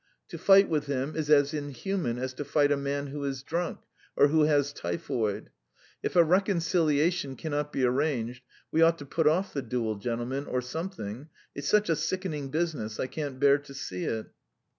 To fight with him is as inhuman as to fight a man who is drunk or who has typhoid. If a reconciliation cannot be arranged, we ought to put off the duel, gentlemen, or something. ... It's such a sickening business, I can't bear to see it."